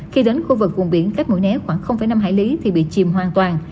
khi đến khu vực vùng biển các mũi né khoảng năm hải lý thì bị chim hoàn toàn